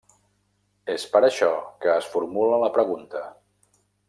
És per això que es formula la pregunta: